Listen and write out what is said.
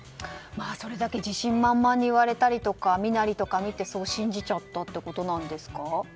それだけ自信満々に言われたりとか身なりとかを見てそう信じちゃったってことですか。